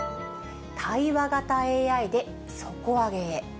対話型ＡＩで底上げへ。